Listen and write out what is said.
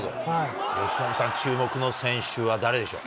由伸さん、注目の選手は誰でしょう。